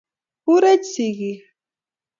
kureech sigiik